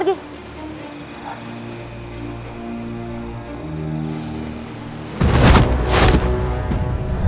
pasti bisa jaga diriku